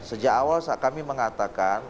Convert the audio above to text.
sejak awal kami mengatakan